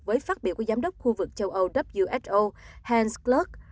với phát biểu của giám đốc khu vực châu âu who hans kluck